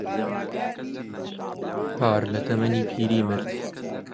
پار لە تەمەنی پیری مرد.